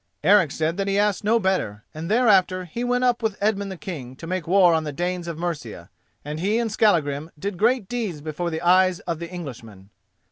Eric said that he asked no better, and thereafter he went up with Edmund the King to make war on the Danes of Mercia, and he and Skallagrim did great deeds before the eyes of the Englishmen.